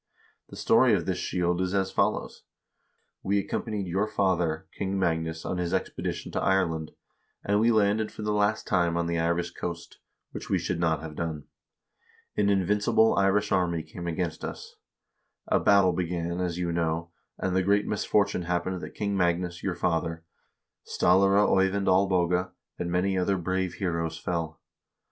The story of this shield is as follows : We accompanied your father, King Magnus, on his expedition to Ireland, and we landed for the last time on the Irish coast, which we should not have done. An invincible Irish army came against us ; a battle began, as you know, and the great misfortune happened that King Magnus your father, Stallare Eyvind Olboge, and many other brave heroes fell.